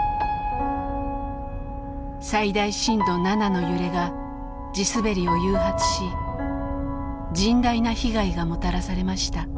最大震度７の揺れが地滑りを誘発し甚大な被害がもたらされました。